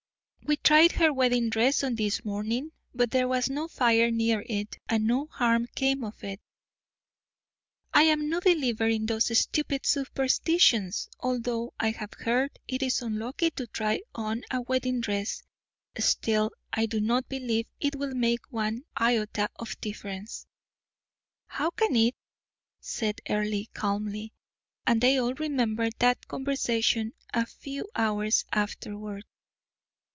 "We tried her wedding dress on this morning, but there was no fire near it, and no harm came of it." "I am no believer in those stupid superstitions, although I have heard it is unlucky to try on a wedding dress; still I do not believe it will make one iota of difference." "How can it?" said Earle, calmly; and they all remembered that conversation a few hours afterward.